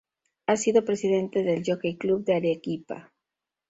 Ha sido Presidente del Jockey Club de Arequipa.